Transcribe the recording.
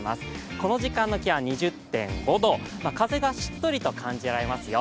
この時間の気温は２０．５度風がしっとりと感じられますよ。